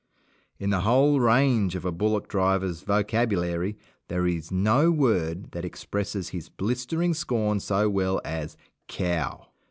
In the whole range of a bullock driver's vocabulary there is no word that expresses his blistering scorn so well as "cow".